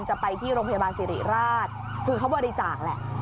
จะไปที่โรงพยาบาลสิริราชคือเขาบริจาคแหละ